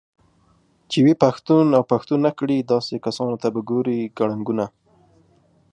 چې وي پښتون اوپښتونكړي داسې كسانوته به ګورې كړنګونه